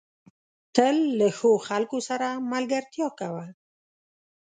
تل له ښو خلکو سره ملګرتيا کوه.